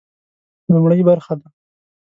لومړۍ برخه ده.